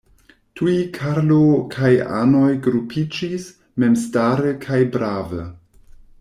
Tuj Karlo kaj anoj grupiĝis, memstare kaj brave.